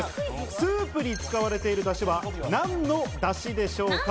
スープに使われている出汁はなんの出汁でしょうか？